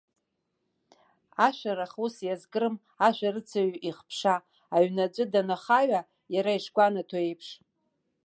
Ашәарах ус иазкрым ашәарыцаҩ ихԥша, аҩны аӡәы данахаҩа, иара ишгәанаҭо еиԥш.